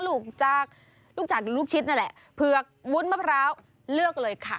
ลูกจากลูกจากลูกชิ้นนั่นแหละเผือกวุ้นมะพร้าวเลือกเลยค่ะ